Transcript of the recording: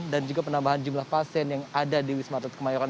dan juga penambahan jumlah pasien yang ada di wisma atlet kemayoran